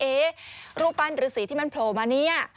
รูปปั้นหรือสีที่มันโผล่มาเนี่ย